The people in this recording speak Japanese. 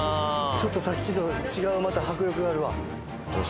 ちょっとさっきと違うまた迫力があるわうわ